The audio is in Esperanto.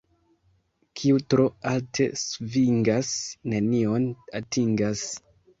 Kiu tro alte svingas, nenion atingas.